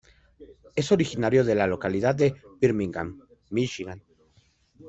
Es originario de la localidad de Birmingham, Míchigan.